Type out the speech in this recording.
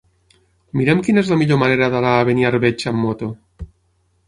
Mira'm quina és la millor manera d'anar a Beniarbeig amb moto.